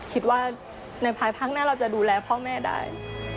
คิดว่าในภายภาคหน้าเราจะดูแลพ่อแม่ได้